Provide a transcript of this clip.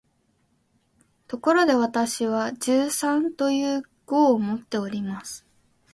ところで、私は「重山」という号をもっております